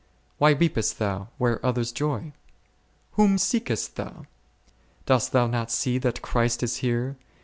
Why weepest thou, where others joy ? Whom seekest thou ? Dost thou not see that Christ is here